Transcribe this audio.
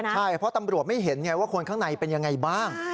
ใช่เพราะตำรวจไม่เห็นไงว่าคนข้างในเป็นยังไงบ้าง